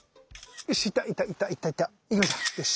よし。